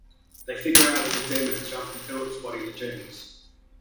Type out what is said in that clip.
They figure out that the demon has jumped from Phillip's body to Jenny's.